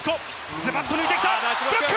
ズバっと抜いてきた、ブロック！